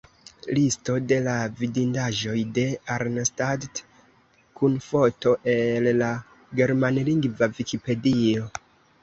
Listo de la vidindaĵoj de Arnstadt kun foto, el la germanlingva Vikipedio.